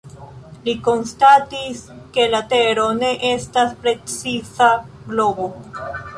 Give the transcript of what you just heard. Li konstatis, ke la Tero ne estas preciza globo.